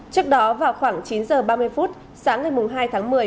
trước đó vào khoảng chín h ba mươi phút